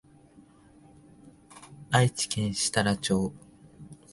愛知県設楽町